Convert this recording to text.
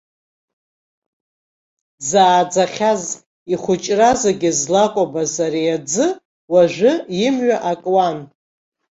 Дзааӡахьаз, ихәыҷра зегьы злакәабаз ари аӡы уажәы имҩа акуан.